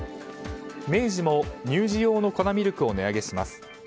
明治も乳児用の粉ミルクを値上げします。